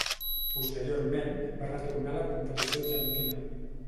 Posteriorment, va retornar a la competició argentina.